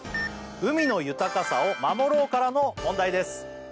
「海の豊かさを守ろう」からの問題です